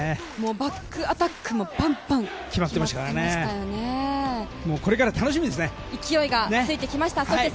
バックアタックもバンバン決まってましたよね。